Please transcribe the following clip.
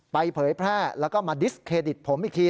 เผยแพร่แล้วก็มาดิสเครดิตผมอีกที